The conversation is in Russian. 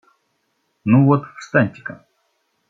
Ну вот встаньте-ка.